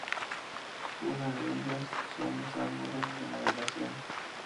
Una de ellas son los ángulos de navegación.